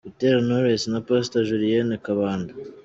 Butera Knowless na Pastor Julienne Kabanda.